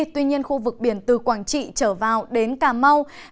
tuy nhiên khu vực biển từ quảng trị trở vào đến cà mau